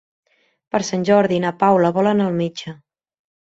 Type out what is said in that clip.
Per Sant Jordi na Paula vol anar al metge.